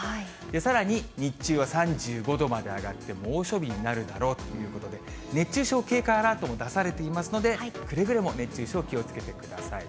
さらに日中は３５度まで上がって、猛暑日になるだろうということで、熱中症警戒アラートも出されていますので、くれぐれも熱中症、気をつけてください。